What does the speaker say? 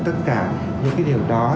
tất cả những cái điều đó